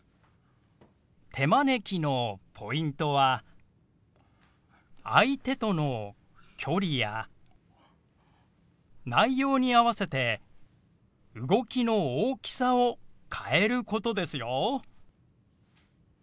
「手招き」のポイントは相手との距離や内容に合わせて動きの大きさを変えることですよ。